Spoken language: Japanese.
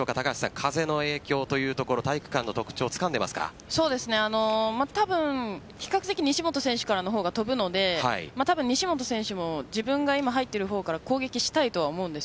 風の影響というところ体育館の特徴を多分、比較的西本選手からの方が飛ぶので西本選手も自分が今入っている方から攻撃したいと思うんです。